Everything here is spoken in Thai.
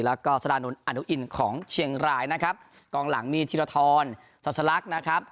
แล้วก็สารานนท์อนุอินของเชียงรายนะครับกองหลังมีธีรทรศาสลักษณ์นะครับ